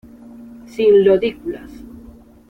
Sin lodículas.